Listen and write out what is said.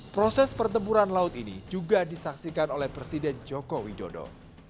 proses pertempuran laut ini juga disaksikan oleh presiden joko widodo